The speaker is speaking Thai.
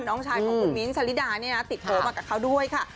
น้องชายของคุณมิ้นท์ชะลิดาเนี่ยนะติดโทรมากับเขาด้วยค่ะ